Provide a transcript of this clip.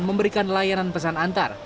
dan memberikan layanan pesan antar